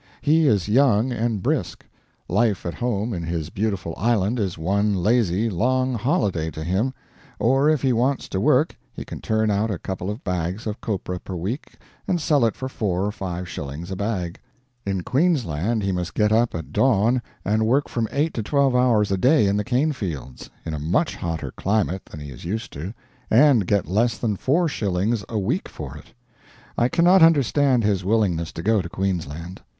He is young and brisk; life at home in his beautiful island is one lazy, long holiday to him; or if he wants to work he can turn out a couple of bags of copra per week and sell it for four or five shillings a bag. In Queensland he must get up at dawn and work from eight to twelve hours a day in the canefields in a much hotter climate than he is used to and get less than four shillings a week for it. I cannot understand his willingness to go to Queensland.